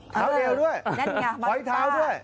เท้าเดียวด้วยพอยเท้าด้วย